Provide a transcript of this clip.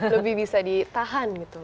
lebih bisa ditahan